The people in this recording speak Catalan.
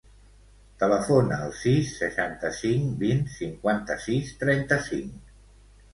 Telefona al sis, seixanta-cinc, vint, cinquanta-sis, trenta-cinc.